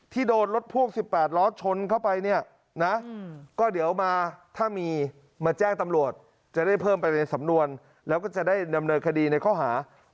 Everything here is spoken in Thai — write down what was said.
ที่โดดรถพวก๑๘ล้อคชนเข้าไปนี่นะ